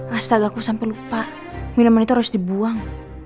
hastag aku sampai lupa minuman itu harus dibuang